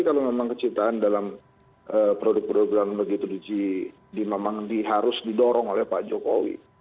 kalau memang kecitraan dalam produk produk yang begitu diharus didorong oleh pak jokowi